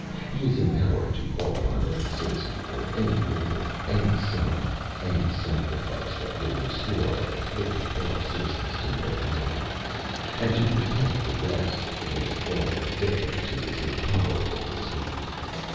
He is empowered to call upon every citizen for any labor, any sum, any sacrifice that will restore our afflicted fellow citizens to normality, and to protect the rest against falling a victim to this intolerable disease.